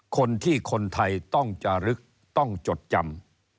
คนที่คนไทยต้องจะลึกต้องจดจำ